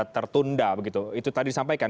tertunda begitu itu tadi disampaikan